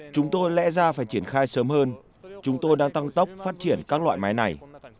chúng tôi lẽ ra phải triển khai sớm hơn chúng tôi đang tăng tốc phát triển các loại máy này